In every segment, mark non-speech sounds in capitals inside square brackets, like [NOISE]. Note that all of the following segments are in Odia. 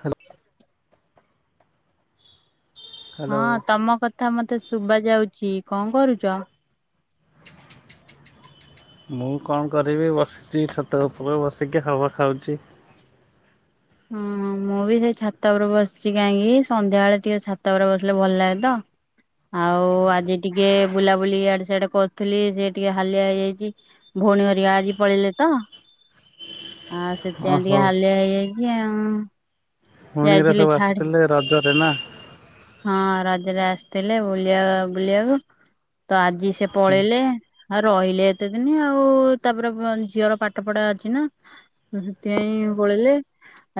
ହ୍ୟାଲୋ ହ୍ୟାଲୋ ହଁ ତମ କଥା ମତେ ଶୁଭା ଯାଉଚି କଣ କରୁଚ? ମୁଁ କଣ କରିବି ବସିଛି ଛାତ ଉପରେ ବସିକି ହାଉଆ ଖାଉଛି। ହୁଁ ମୁଁ ବି ସେଇ ଛାତ ଉପରେ ବସିଛି ଯାଇଁକି ସନ୍ଧ୍ୟାବେଳେ ଟିକେ ଛାତ ଉପରେ ବସିଲେ ଭଲ ଲାଗେ ତ। ଆଉ ଆଜି ଟିକେ ବୁଲାବୁଲି ଇଆଡେ ସିଆଡେ କରୁଥିଲି ସେ ଟିକେ ହାଲିଆ ହେଇଯାଇଚି। ମୁ ଭଉଣୀ ଘରିକା ଆଜି ପଳେଇଲେ ତ। ଆଉ ସେଥିଆଇଁ ଓହୋ ଟିକେ ହାଲିଆ ହେଇଯାଇଛି ଆଉ। ଭଉଣୀରା ଯାଇଥିଲି ସବୁ ଛାଡି ଆସିଥିଲେ ରଜରେ ନା ହଁ ରଜରେ ଆସ୍‌ ଥିଲେ ବୁଲିଆ ବୁଲିଆକୁ ତ ଆଜି ସେ ପଳେଇଲେ ଆଉ ରହିଲେ କେତେ ଦିନ ଆଉ ତାପରେ ଝିଅର ପାଠ ପଢା ଅଛି ନା ସେଥିପାଇଁ ପଳେଇଲେ।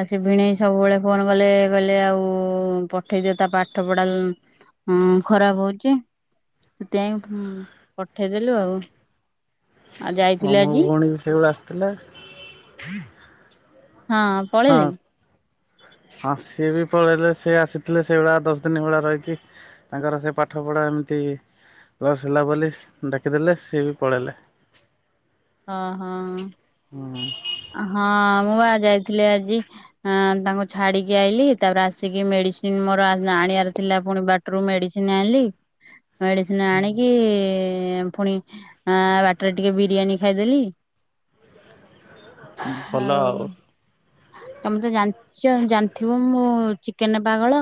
ଆ ସେ ଭିଣେଇ ସବୁବେଳେ ଫୋନ କଲେ କହିଲେ ଆଉ ପଠେଇଦିଅ ତା ପାଠ ପଢା ହଁ ଖରାପ ହଉଛି। ସେଥିପାଇଁ ପଠେଇଦେଲୁ ଆଉ। ଆଉ ହଁ ଯାଇଥିଲେ ମୋ ଆଜି ଭଉଣୀ ବି ସେ ଆସିଥିଲେ। ହଁ ପଳେଇଲେ କି? ହଁ ସିଏ ବି ପଳେଇଲେ ସିଏ ଆସିଥିଲେ ସେଇଭଳିଆ ଦଶ ଦିନ ଭଳିଆ ରହିକି ତାଙ୍କର ସେ ପାଠ ପଢା ଏମିତି ପସ ହେଲା ବୋଲି ଡାକିଦେଲେ ସିଏ ବି ପଳେଇଲେ। ହଁ ହଁ। ହୁଁ ହଁ ମୁଁ ବା ଯାଇଥିଲି ଆଜି ଆଁ ତାଙ୍କୁ ଛାଡିକି ଆଇଲିି ତାପରେ ଆସିକିି ମେ ମେଡିସିନ ମୋର ଆଣିବାର ଥିଲା ପୁଣି ବାଟରୁ ମେଡିସିନ ଆଣିଲି। ମେଡିସିନ ଆଣିକି ଇ ଫୁଣି ଆ ବାଟରେ ଟିକେ ବିରିୟାନୀ ଖାଇଦେଲି। ଆଉ ତମେ ତ ଜାଣିଛ ଜାଣି ଥିବ ମୁଁ ଚିକେନ୍ ପାଗଳ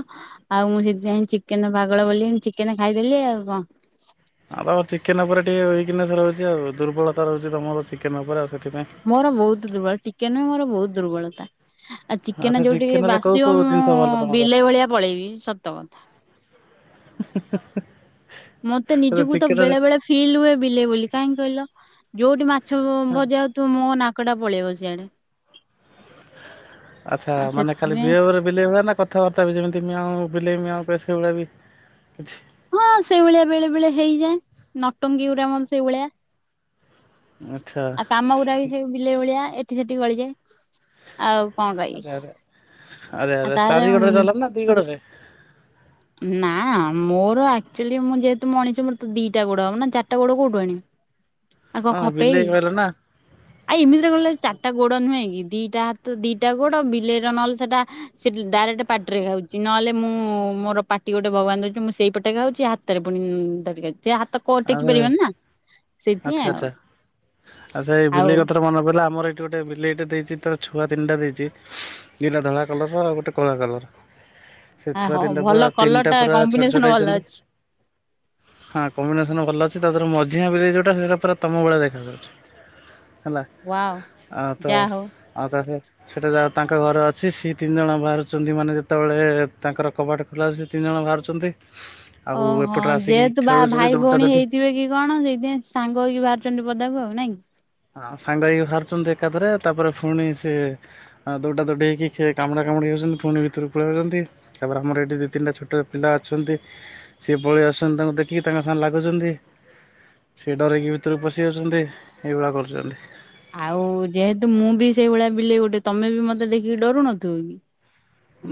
ଆଉ ମୁଁ ସେଥିପାଇଁ ଚିକେନ ପାଗଳ ବୋଲି ଚିକେନ୍ ଖାଇଦେଲି ଆଉ। [UNINTELLIGIBLE] ହଁ ତମର ଚିକେନ ଉପରେ ଟିକେୱିକନେସ ରହୁଛି ଆଉ ଦୁର୍ବଳତା ରହୁଛି ତମର ଚିକେନ ଉପରେ ଆଉ। ସେଥିପାଇଁ। ମୋର ବହୁତ ଦୁର୍ବଳ ଚିକେନ୍ ବି ମୋର ବହୁତ ଦୁର୍ବଳତା। ଆଉ ଆଚ୍ଛା ଚିକେନ ଯୋଉଠିକି ରେ କୋଉ ବାସିବ କୋଉ ମୁଁ ଜିନିଷ ଭଲ ତମର ବିଲେଇ ଭଳିଆ ପଳେଇବି ସତ କଥା। [INAUDIBLE] [UNINTELLIGIBLE] ମତେ ନିଜକୁ ତ ଚିକେନ ବେଳେ ବେଳେ ରେ ଫିଲ୍ ହୁଏ ବିଲେଇ ବୋଲି କାହିଁକି କହିଲ? ଯୋଉଠି ମାଛ ଛ ଭଜା ହ ତୁ ମୋ ନାକ ଟା ପଳେଇବ ସିଆଡେ। ଆଚ୍ଛା ଆଉ ମାନେ ଖାଲି ସେଥିପାଇଁ [UNINTELLIGIBLE] ବିଲେଇ ହୁଏ ନା କଥାବାର୍ତ୍ତା ବି ଯେମିତି ମିଆୟୁ ବିଲେଇ ମିଆଉ ସେ ଭଳିଆ ବି କିଛି? ହଁ ସେଇଭଳିଆ ବେଳେ ବେଳେ ହେଇଯାଏ ନଟଙ୍ଗୀ ଉରୋମ ସେଇଭଳିଆ। ଆଚ୍ଛା ଆଉ କାମଗୁରା ବି ସେ ବିଲେଇ ଭଳିଆ ଏଠି ସେଠି ଗଳିଯାଏ ଆଉ। କଣ କହିବି [UNINTELLIGIBLE] ଆଉ ତାର ଚାରି ଗୋଡ଼ରେ ଉଁ ଚାଲ ନା ଦି ଗୋଡ଼ ରେ? ନା ମୋର ଆକ ଚୁଲି ମୁଁ ଯେହେତୁ ମଣିଛି ମୋର ତ ଦିଟା ଗୋଡ ହବନା ଚାରିଟା ଗୋଡ କୋଉଠୁ ଆଣିବି? ଆଉ ହଁ କଣ ବିଲେଇ ଏଇ କହିଲ ନା ଆ ଏମିତିରେ ଗଲେ ଚାରିଟା ଗୋଡ ନୁହେଁ। ଦିଟା ହାତ ଦିଟା ଗୋଡ ବିଲେଇର ନହେଲେ ସେଟା ଡାଇରେକ୍ଟ ପାଟିରେ ଗାଉଛି ନହେଲେ ମୁଁ ମୁଁ ମୋର ପାଟି ଗୋଟେ ଭଗବାନ ରହୁଛି ମୁଁ ସେଇ ପଟେ ଗାଉଛି ହାତରେ ପୁଣି ଧରଛି। [UNINTELLIGIBLE] ଟିକେ ହାତ କ ଅଟେକି ଆରେ ପାରିବନି ନା ସେଇଥିପାଇଁ ଆଉ। ଆଛା ଏଇ ବିଲେଇ କଥାରୁ ମନେ ପିଲା ଆମର ଏଇଠି ଗୋଟେ ବିଲେଇଟ ଦେଇଛି ତାର ଛୁଆ ତିନିଟା ଦେଇଛି ଦିଇଟା ଧଳା କଲର ଆଉ ଗୋଟେ କଳା କଲର। ସେ ଆଉ ଛୁଆ ହଁ ତିନିଟା ଭଲ ପୁରା କଲର ତିନିଟା ଟା ପୁରା ଛୋଟ କମ୍ବିନେସନ ଛୋଟ ଭଲ ହେଇଛନ୍ତି ଅଛି ହଁ। [UNINTELLIGIBLE] ଅଛି ତାରେ ମଝିଆ ବି ଯୋଉଟା ସେଟା ପା ତମ ଭଳିଆ ଦେଖାଯାଉଛି। ହେଲା ୱାଓ ଆଉ ତ ଯାହା ହଉ। ଆଉ ତା ସେ ସେଟା ଯ ତାଙ୍କ ଘର ଅଛି ସେ ତିନି ଜଣ ବାହାରୁଛନ୍ତି ମାନେ ଯେତେବେଳେ ତାଙ୍କର କବାଟ ଖୋଲା ସେ ତିନି ଜଣ ବାହାରୁଛନ୍ତି। ଆଉ ଓହୋ ଏପଟରେ ଆସିକି ଯେହେତୁ ବା ଖେଳୁଛନ୍ତି ଭାଇ ଦୌଟା ଭଉଣୀ ଦୌଟି ହେଇଥିବେ କି କଣ ସେଇଥିପାଇଁ ସାଙ୍ଗ ହେଇକି ବାହାରୁଛନ୍ତି ପଦାକୁ ଆଉ ନାଇଁକି? ହଁ ସାଙ୍ଗ ହେଇକି ବାହାରୁଛନ୍ତି ଏକାଥରେ ତାପରେ ପୁଣି ସିଏ ଦୌଡା ଦୌଡ଼ି ହେଇକି କାମୁଡା କାମୁଡି ଯାଉଛନ୍ତି ପୁଣି ଭିତରୁ ପଳେଇ ଆଉଛ। ତାପରେ ଆମର ଏଠି ଦି ତିନଟା ଛୋଟ ପିଲା ଅଛନ୍ତି ସେ ଭଳିଆ ଛନ୍ତି ତାଙ୍କୁ ଦେଖିକି ତାଙ୍କ ସାଙ୍ଗେ ଲାଗୁଛନ୍ତି। ସେ ଡରକି ଭିତରୁ ପଶି ଯାଉଛନ୍ତି। ଏ ଭଳିଆ କରୁଛନ୍ତି। ଆଉ ଯେହେତୁ ମୁଁ ବି ସେଇଭଳିଆ ବିଲେଇ ଗୋଟେ ତମେ ବି ମତେ ଦେଖିକି ଡରୁନଥିବ କି?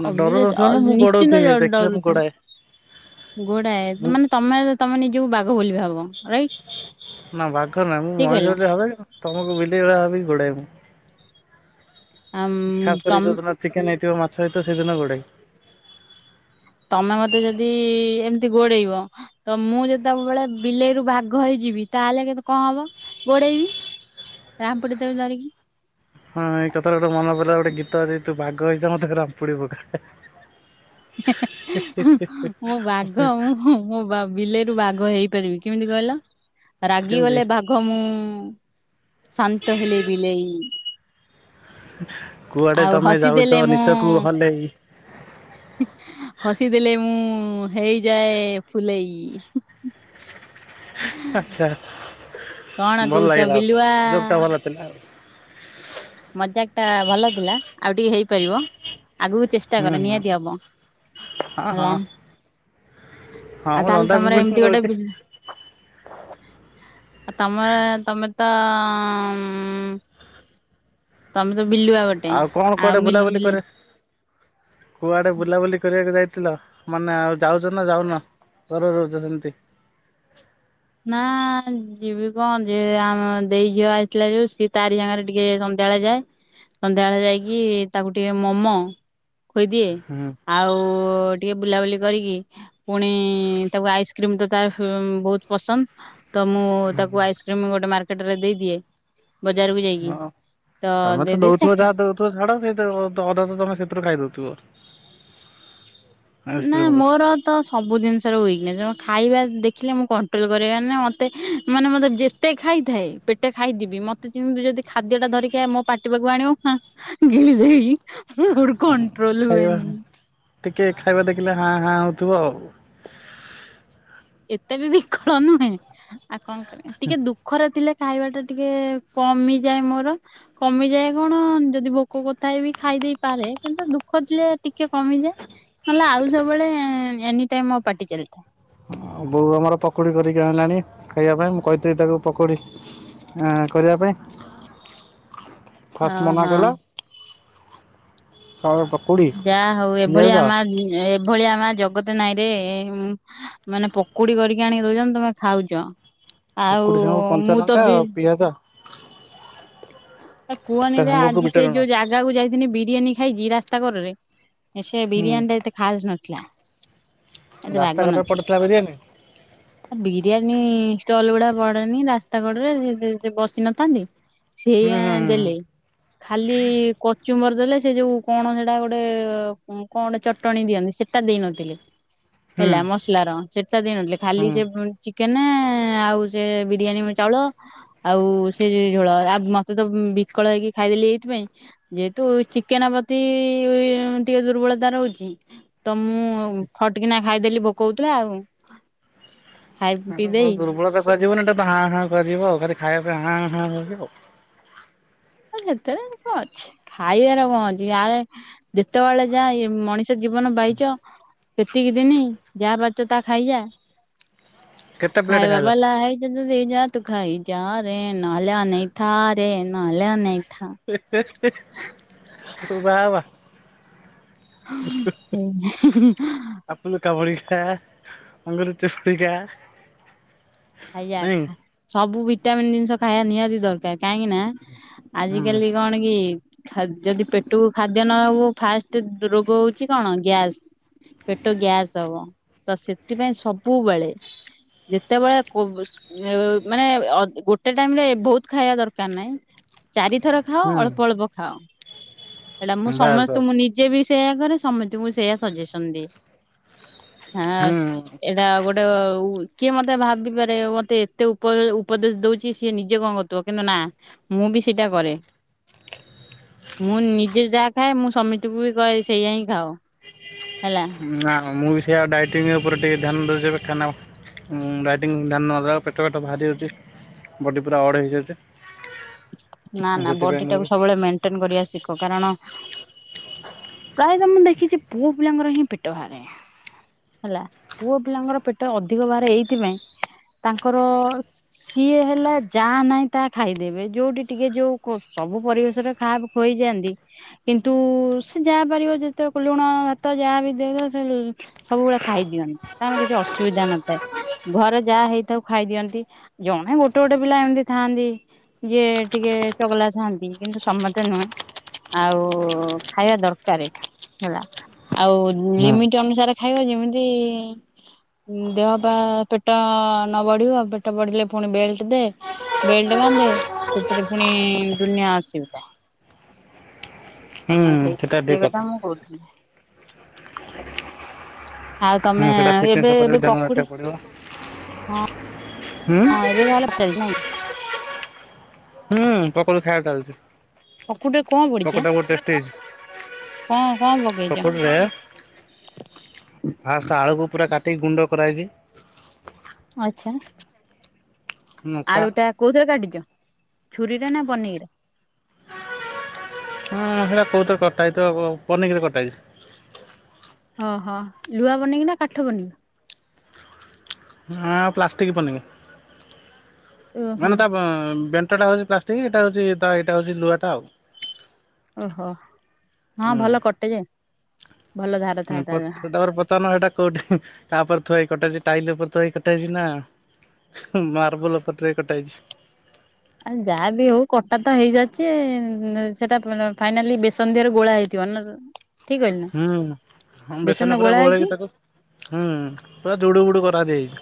ନା ଡର ଅଭିଅସ ନଥିବ ନା ଅଲ୍ ମୁଁ ନିଶ୍ଚିନ୍ତ ଗୋଡ଼ଉଥିବି ଜ ଦେଖିଲେ ମୁଁ ଡରୁଥି ଗୋଡ଼ାଏ ଗୋଡ଼ାଏ ମୁଁ ମାନେ ତମେ ତମ ନିଜକୁ ବାଘ ବୋଲି ଭାବ। ରାଇଟ୍ ନା ବାଘ ନାଇଁ ମୁଁ ଠିକ କହିଲି ମଣିଷ ନା? ବୋଲି ଭାବେ ତମକୁ ବିଲେଇ ଭଳିଆ ଭାବିକି ଗୋଡ଼ାଏ ମୁଁ ଆମ୍ ଖାସ୍ କରିକି ତମ୍ ଯୋଉଦିନ ଚିକେନ୍‌ ହେଇଥିବ ମାଛ ହେଇଥିବ ସେଦିନ ଗୁଡ଼େ। ତମେ ମତେ ଯଦି ଏମିତି ଗୋଡ଼େଇବ ତ ମୁଁ ଯେତେବେଳେ ବିଲେଇରୁ ବାଘ ହେଇଯି ଯିବି ତାହେଲେ କେ କଣ ହବ ଗୋଡ଼େଇବି ଆମ୍ପୁଡ଼ି ଦେବି ଧରିକି। ହଁ ଏକାଥରେ ତ ଗୋଟେ ମନ ପଡ଼ିଲା ଗୋଟେ ଗୀତ ଅଛି ତୁ ବାଘ ହେଇଜା ମତେ ରାମ୍ପୁଡ଼ି ପକା। ହା ହିଁ ହା ମୁଁ ବାଘ ମୁଁ ମୁଁ ମୁଁ ବା ବି ବିଲେଇରୁ ବା ଘ ହେଇପାରିବି କେମିତି କହିଲ ରାଗି କେମିତି ଗଲେ ବାଘ ମୁଁ ଶାନ୍ତ ହେଲେ ବିଲେଇ। କୁଆଡ଼େ ଆଉ ତମେ ହସିଦେଲେ ଯାଉଛ ନିଶକୁ ହଲେଇ। ହସି ଦେଲେ ମୁଁ ହେଇଯାଏ ଫୁଲେଇ। ଆଛା କଣ ଭଲ କହୁଛ ଲାଗିଲା ବିଲୁଆ? ଜୋକ୍ ଟା ଭଲଥିଲା। ମଜାକ୍ ଟା ଭଲ ଥିଲା ଆଉ ଟିକେ ହେଇପାରିବ। ଆଗକୁ ଚେଷ୍ଟା ହୁଁ କର ହୁଁ ନିହାତି ହବ ହଁ ହଁ। ହେଲା। ହଁ ଆ ମୁଁ ତାହେଲେ ନନ୍ଦା ତମର ପିମ୍ପୁଡିରେ ଏମିତି ଗୋଟେ ରହୁଛି ବିଲ ଆ ତମର ତମେ ତ ଉମ୍ ତମେ ତ ବିଲୁଆ ଗୋଟେ ଆଉ କଣ ଆଉ ମିଲ୍‌ ବିଲ୍‌ କୁଆଡ଼େ ବୁଲାବୁଲି କରିବାକୁ ଯାଇ ଥିଲ ମାନେ ଆଉ ଯାଉଛ ନା ଯାଉନ ଘର ରହୁଛ ସେମିତି? ନା ଯିବି କଣ ଯେ ଆମ ଦେଇ ଝିଅ ଆଇଥିଲା ଯୋଉ ସିଏ ତାରି ସାଙ୍ଗରେ ଟିକେ ସନ୍ଧ୍ୟା ବଳେ ଯାଏ ସନ୍ଧ୍ୟା ବଳେ ଯାଇକି ତାକୁ ଟିକେ ମୋମ ଖୋଇଦିଏ ହୁଁ ଆଉ ଟିକେ ବୁଲାବୁଲି କରିକି ପୁଣି ତାକୁ ଆଇସକ୍ରିମ ତାର ଫେ ବହୁତ ପସନ୍ଦ। ତ ମୁଁ ତାକୁ ଆଇସ୍କ୍ରିମ ଗୋଟେ ମାର୍କେଟରେ ଦେଇଦିଏ। ବି ଯାଇକି ହଁ। ତମେ ତ ଦଉଥିବ ଯାହା ଦଉଥିବ ଛାଡ଼ ସେ ତାର ତ ଅଧା ତମେ ସେଥିରୁ ଖାଇଦଉଥିବ। ନା ଆଇସ୍କ୍ରିମରୁ। ମୋର ତ ସବୁ ଜିନିଷର ୱିକନେସ ଖାଇବା ଦେଖିଲେ ମୁଁ କଣ ଟ୍ରୋଲ କରିପାରେନି ମତେ ମାନେ ମତେ ଯେତେ ଖାଇଥାଏ ପେଟେ ଖାଇଦେବି ମତେ କିନ୍ତୁ ଯଦି ଖାଦ୍ୟ ଟା ଧରିକି ମୋ ପାଟି ପାଖକୁ ଆଣିବ ନା ଗିଳି ଦେବି। ମୋର କଣ୍ଟ୍ରୋଲ ଖାଇବା ହୁଏନି। ଟିକେ ଖାଇବା ଦେଖିଲେ ହାଁ ହାଁ ହଉଥିବ ଆଉ। ଏତେ ବି ବିକଳ ନୁହେଁ ଆଉ କଣ କରି ଟିକେ ଦୁଃଖରେ ଥିଲେ ଖାଇବା ଟା ଟିକେ କମିଯାଏ। ମୋର କମିଯାଏ କଣ ଯଦି ଭୋକ କରୁଥାଏ ବି ଖାଇ ଦେଇପାରେ କିନ୍ତୁ ଦୁଃଖ ଥିଲେ ଟିକେ କମିଯାଏ। ନଲେ ଆଉ ସବୁବେଳେ ଏନିଟାଇମ୍‌ ମୋ ପାଟି ଚାଲିଥାଏ। ଆଉ ବୋଉ ଆମର ପକୁଡ଼ି କରିକି ଆଇଲାଣି ଖାଇବା ପାଇଁ ମୁଁ କହିଥିଲି ତାକୁ ପକୁଡ଼ି ଆଁ କରିବା ପାଇଁ ଫାଷ୍ଟ ହଁ ମନା ହଁ କଲା ତାପରେ ପକୁଡ଼ି ଯାହା ହଉ ପିଆଜ ଏଭଳିଆ ମା ଏଭଳିଆ ମା ଜଗତ ନାଇଁ ରେ ଉଁ ମାନେ ପକୁଡ଼ି କରିକି ଆଣିକି ଦଉଚନୀ ତମେ ଖାଉଚ। ଆଉ ପକୁଡ଼ି ସାଙ୍ଗକୁ କଞ୍ଚା ମୁଁ ଲଙ୍କା ତ ବି ଆଉ ପିଆଜ ତା କୁହନି ଯେ ସାଙ୍ଗକୁ ଆଜି ବିଟ ସେ ଲୁଣ। ଯୋଉ ଜାଗାକୁ ଯାଇଥିଲି ବିରିୟାନୀ ଖାଇଛି ରାସ୍ତା କଡ଼ରେ। ଏ ସେ ହୁଁ ବିରିୟାନୀ ଟା ଏତେ ଖାସ୍‌ ନଥିଲା। ଏତେ ରାସ୍ତା ବାଗ କଡରେ ନଥିଲା ପଡିଥିଲା ବିରିୟାନୀ ବିରିୟାନୀ ଷ୍ଟଲ୍ ଗୁଡ଼ା ବଡ଼ନି ରାସ୍ତା କଡ଼ରେ ନିଜେ ନିଜେ ବସି ନଥାନ୍ତି ହୁଁ ସେଇଆ। ହୁଁ ଦେଲେ ଖାଲି କଚୁମର ଦେଲେ ସେ ଯୋଉ କଣ ସେଟା ଗୋଟେ କଣ ଗୋଟେ ଚଟଣୀ ଦିଅନ୍ତି ସେଟା ଦେଇ ନଥିଲେ। ହୁଁ ହେଲା ମସଲାର ସେଟା ଦେଇ ନଥିଲେ ହୁଁ। ଖାଲି ହୁଁ। ଯେ ଚିକେନ ଆଉ ସେ ବିରିୟାନୀ ଚାଉଳ ଆଉ ସେ ଯ ଝୋଳ ଆ ତେ ତ ବିକଳ ହେଇକି ଖାଇଦେଲି ଏଇଥିପାଇଁ ଯେହେତୁ ଚିକେନ ପ୍ରତି ଟିକେ ଦୁର୍ବଳ। ଫଳଦା ରହୁଛି। ତ ମୁଁ ଫଟକିନା ଖାଇଦେଲି ଭୋକ ହୋଇଥିଲା ଆଉ। ଖାଇ ପିଇ ଦେଇ ଦୁର୍ବଳତା କୁହାଯିବନି ଏଟା ହାଁ ହାଁ କରିିବ ଆଉ ଖାଲି ଖାଇବା ପାଇଁ ହାଁ ହାଁ କରିବା ଆଉ। ସେତେରେ କଣ ଅଛି ଖାଇବାର କଣ ଅଛି ଆାରେ ଯେତେବେଳେ ଯାଏ ମଣିଷ ସେ ଜୀବନ ପାଇଚ ସେତିକି ଦିନି ଯାହା ପାରୁଛ ତାହା ଖାଇଯା। କେତେ ପ୍ଲେଟ୍ ଖାଇଲ? ଖାଇବାବା ଲ ହେଇ ରେଜା ତୁ ଖାଇ ଯାରେ ନହେଲେ ଅନେଇଥା ରେ ନହେଲେ ଅନେଇ ହେ ହେ ହେ ବା ବା। ଆପଣ କା ଭଳି [UNINTELLIGIBLE] ଖା ଅଙ୍ଗୁର ଚୁସି ଖା। ଆଜ୍ଞା ନାଇଁ ସବୁ ଭିଟାମିିନ ଜିନିଷ ଖାଇବା ନିହାତି ଦରକାର। କାହିଁକି ନା ଆଜି ହୁଁ କାଲି କଣ କି ଯଦି ପେଟକୁ ଖା ିନବ ଫାଷ୍ଟ ରୋଗ ହଉଛି କଣ ଗ୍ୟାସ୍ [UNINTELLIGIBLE] ପେଟ ଗ୍ୟାସ ହବ ତ ସେଥିପାଇଁ ସବୁବେଳେ ଯେତେବେଳେ ମାନେ ଗୋଟେ ଟାଇମ ରେ ବହୁତ ଖାଇବା ଦରକାର ନାହିଁ। ଚାରିଥର ଖାଅ ଅଳ୍ପ ହୁଁ ଅଳ୍ପ ଖାଅ। ସେଇଟା ମୁଁ ବାସ୍ ସମସ୍ତଙ୍କୁ ବାସ୍ ମୁଁ ନିଜେ ବି ସେଇୟା କରେ ସମସ୍ତଙ୍କୁ ସେଇୟା ସଜେସନ ଦିଏ। ହୁଁ ହଁ ଏଇଟା ଗୋଟେ କିଏ ମତେ ଭାବିିବାର ମତେ ଏତେ ଉପ ଉପଦେଶ ଦଉଛି ସିଏ ନିଜେ କଣ କରଥିବ କିନ୍ତୁ ନା ମୁଁ ବି ସେଇଟା କରେ। ମୁଁ ନିଜେ ଯାହା ଖାଏ ମୁଁ ସମିତିକୁ ବି କହେ ସେଇଆ ହିଁ ଖାଅ। ହେଲା ନା ମୁଁ ବି ସେଇଆ ଡାଇଟିଂ ଉପରେ ଟିକେ ଧ୍ୟାନ ଦଉଚି ଏବେ କାହିଁକି ନା ଡାଇଟିଂ ଧ୍ୟାନ ନ ଦେବା ପେଟ ପେଟ ବାହାରି ହେଉଛି ବଡ଼ି ପୁରା ଅଡ଼୍ ହେଇଯାଉଚି। ନା ନା ବଡି ଟାକୁ ସବୁବେଳେ ମେଣ୍ଟେନ କରିବା ଶିଖ କାରଣ ପ୍ରାୟ ତ ମୁଁ ଦେଖିଛି ପୁଅ ପିଲାଙ୍କର ହିଁ ପେଟ ବାହାରେ। ହେଲା ପୁଅ ପିଲାଙ୍କର ପେଟ ଅଧିକ ବାହାରେ ଏଇଥିପାଇଁ ତାଙ୍କର ସିଏ ହେଲା ଯା ନାଇଁ ତାହା ଖାଇଦେବେ ଯୋଉଠି ଟିକେ ଯୋଉ କ ସବୁ ପରିବେଶରେ ଖାପ ଖୁଆଇଯାଆନ୍ତି କିନ୍ତୁ ସେ ଯାହା ପାରିବ ଯେତେ କ ଲୁଣ ଭାତ ଯାହା ବି ଦେଉନ ସେ ସବୁବେଳେ ଖାଇଦିଅନ୍ତି ତାଙ୍କର କିଛି ଅସୁବିଧା ନଥାଏ ଘରେ ଯାହା ହେଇଥାଉ ଖାଇଦିଅନ୍ତି ଜ ନେ ଗୋଟେ ଗୋଟେ ପିଲା ଏମତି ଥାଆନ୍ତି ଯିଏ ଟିକେ ଚଗଲା ଥାଆନ୍ତି କିନ୍ତୁ ସମସ୍ତେ ନୁହେଁ। ଆଉ ଖାଇବା ଦରକାର ହେଲା ଆଉ ହୁଁ ଲିମିଟ ଅନୁସାରେ ଖାଇବା ଯେମିତି। ଦେହ ବା ପେଟ ନ ବଢିବ ପେଟ ବଢିଲେ ପୁଣି ବେଲ୍ଟ ଦେ ବେଲ୍ଟ [UNINTELLIGIBLE] େ ସେଥିରେ ପୁଣି ଦୁନିଆ ଆସିବ ତା। ହଁ ହୁଁ ସେଇ ସେଟା ସେଇ ଠିକ କଥା ମୁଁ କହୁଥିଲି। ଆଉ ତମେ ହୁଁ ସେଟା ଫିଟନେସ୍ ଏବେ ଉପରେ ବି ଏବେ ଧ୍ୟାନ ପକୁଡି ରଖିବାକୁ ପଡ଼ିବ ହଁ। ହୁଁ ହଁ ଏବେ ତାଲେ ଚାଲ ନାଇଁ। ହୁଁ ପକୁଡ଼ି ଖାଇବା ଚାଲଛି। ପକୁଡ଼ି ରେ କଣ ପଡ଼ିଛି ବା କଣ କଣ ପକେଇଚ? ପକୋଡ଼ିରେ ଫାଷ୍ଟ ଆଳୁକୁ ପୁରା କାଟିକି ଗୁଣ୍ଡ କରାଇଛି ଆଛା ଲଙ୍କା ଆଳୁ ଟା କୋଉଥିରେ କାଟିଛ। ଛୁରୀରେ ନା ପନିକି ରେ। ହଁ ସେଇଟା କେଉଁଥିରେ କଟାହେଇଥିବ ପନିକିରେ କଟା ହେଇଛି। ଓହୋ ଲୁହା ପନିକି ନା କାଠ ପନିକି। ହଁ ପ୍ଲାଷ୍ଟିକ ପନିକି ଓହୋ ମାନେ ତା ଉଁ ବେ ସେଇଟା ହଉଛି ପ୍ଲାଷ୍ଟିକ ଏଇଟା ହଉଛି ଏଇଟା ଏଇଟା ହଉଛି ଲୁହାଟା ଆଉ। ଓହୋ। ହଁ ଭଲ କଟେ ଯେ ଭଲ ଧାର ହୁଁ ଥାଏ ତା ତାପରେ ପଚାରୁନ ହେଟା କୋଉଠି ହି ତାପରେ ଥୁଆଇ କଟାଇଛି ଟାଇଲ ଉପରେ ଥୁଆଇ କଟାଇଛି ନା ମାର୍ବଲ ପଟରେ କଟା ହେଇଚି। ଆଉ ଯାହା ବି ହଉ କଟା ତ ହେଇଯାଇଚି ସେଟା ଫାଇନାଲି ବେସନ ଦେହରେ ଗୋଳା ହେଇଥି ଭନ୍ୟ [INAUDIBLE] ହୁଁ ବେସନ ପୁରା ଗୋଳା ହେଇକି ଗୋଳେଇକି ତାକୁ ହୁଁ ପୁରା ଯୁଡୁ ବୁଡୁ କରାଦିଆ ହେଇଚି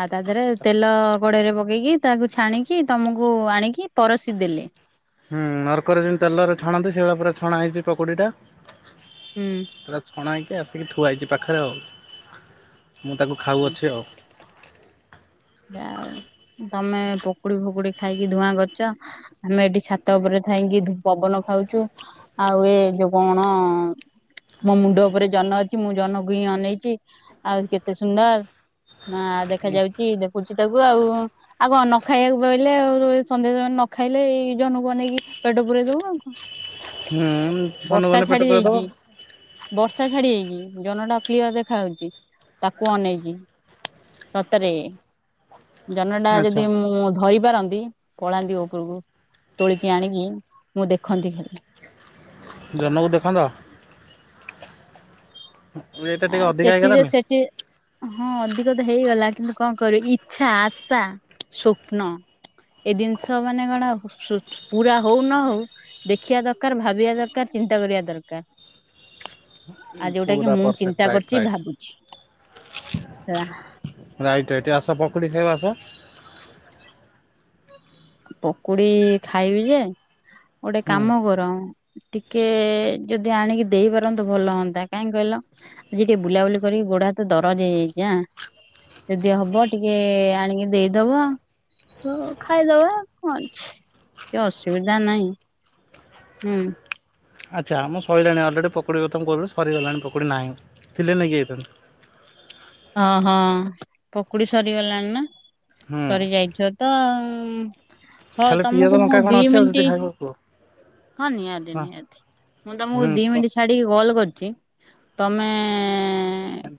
ଆ ତା ଦେହେରେ ତେଲ ଗୋଡରେ ପକେଇକି ତାକୁ ଛାଣିକି ତମକୁ ଆଣିକି ପରସି ଦେଲେ। ହୁଁ ନର୍କରେ ଯେମିତି ତେଲରେ ଛାଣନ୍ତି ସେଇଭଳିଆ ପୁରା ଛଣା ହେଇଛି ପକୁଡ଼ିଟା। ହୁଁ ପୁରା ଛଣା ହେଇକି ଆସିକି ଥୁଆ ହେଇଛି ପାଖରେ ଆଉ। ମୁଁ ତାକୁ ଖାଉଅଛି ଆଉ। ଯାହଉ ତମେ ପକୁଡି ଫକୁଡି ଖାଇକି ଧୂଆଁ କରୁଚ ଆମେ ଏଠି ଛାତ ଉପରେ ଥାଇକି ପବନ ଖାଉଛୁ ଆଉ ଏ ଯୋଉ କଣ ଅଂ ମୋ ମୁଣ୍ଡ ଉପରେ ଜହ୍ନ ଅଛି ମୁଁ ଜହ୍ନକୁ ହିଁ ଅନେଇଛି ଆଉରି କେତେ ସୁନ୍ଦର ନା ଆ ଦେଖାଯାଉଛି କୁଚି ଟାକୁ ଆଉ ଆଉ କନ ଖାଇବାକୁ ପାଇଲେ ଆଉ ସନ୍ଧ୍ୟାସମ ନ ଖାଇଲେ ଏଇ ଜନକୁ ଅଇେଇକି ପେଟ ପୁରେଇ ଦବୁ ଆଉ କଣ? ହୁଁ ଧନୁ ବର୍ଷା ଗନେ ପେଟ ଛାଡି ପୁରେଇଦବ। ଯାଇଚି ବର୍ଷା ଛାଡି ଯାଇଚି। ଜନ ଟା କ୍ଲିୟର ଦେଖା ହଉଛି ତାକୁ ଅନେଇଛିି ସତରେ ଜନ ଟା ଆଚ୍ଛା ଯଦି ମୁଁ ଧରି ପାରନ୍ତି ପଳାନ୍ତି ଉପରକୁ। ତୋଳିକି ଆଣିକି ମୁଁ ଦେଖନ୍ତି ଖାଲି। ଜନକୁ ଦେଖନ୍ତ? ଏଇଟା ଟିକେ ଆଉ ଅଧିକା ସେଠିରେ ହେଇଗଲାନି ସେଠି ହଁ ଅଧି ତ ହେଇଗଲା କିନ୍ତୁ କଣ କରିବ ଇଛା ଆଶା ସ୍ୱପ୍ନ ଏ ଜିନିଷ ମାନେ ଗଣ ପୁରା ହଉ ନ ହଉ ଦେଖିବା ଦରକାର ଭାବିବା ଦରକାର ଚିନ୍ତା କରିବା ଦରକାର। ଆଉ ଯୋଉଟା କି ପୁରା ମୁଁ ପରଫେକ୍ଟ। ଚିନ୍ତା ରାଇଟ୍ କରୁଛି ରାଇଟ୍ ଭାବୁଛି ହେ ଏଇଟି ଆସ ପକୁଡି ଖାଇବ ଆସ। ପକୁଡି ଖାଇବି ଯେ ଗୋଟେ ହୁଁ କାମ କର, ଟିକେ ଯଦି ଆଣିକି ଦେଇ ପାରନ୍ତ ଭଲ ହୁଅନ୍ତା କାହିଁି କହିଲ ଆଜି ଟିକେ ବୁଲାବୁଲି କରିକି ଗୋଡ ହାତ ଦରଜ ହେଇଯାଇଚି ଆଁ ଯଦି ହବ ଟିକେ ଆଣିକି ଦେଇଦବ ଆ ତ ଖାଇଦବା। କଣ ଅଛି କି ଅସୁବିଧା ନାହିଁ। ହୁଁ, ଆଚ୍ଛା ମୁଁ ସଇଲାଣି ଅଲରେଡ଼ି ପକୁଡି କଥାମୁଁ କହୁଥିଲି ସରିଗଲାଣି ପକୁଡ଼ି ନାହିଁ ଥିଲେ ନେଇକି ଯାଇଥାନ୍ତି। [INAUDIBLE] ହଁ ହଁ ପକୁଡି ସରିଗଲାଣି ନା ହୁଁ ସରି ଯାଇଥିବ ତଆଉ ହଉ ଖାଲି ପିଆଜ ତମକୁ ମୁଁ ଲଙ୍କା କଣ ଦି ଅଛି ଆଉ ଯଦି ମିନିଟ ଖାଇବ କୁହ ହଁ ନିହାତି ହଁ ନିହାତି ମୁଁ ତମକୁ ହୁଁ ଦି କ ମିନିଟ୍ ଛାଡିକି କଲ୍ କରୁଚି ତମେଏଁ ଏଁ